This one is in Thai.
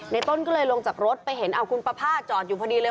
ต้นก็เลยลงจากรถไปเห็นคุณประพาทจอดอยู่พอดีเลย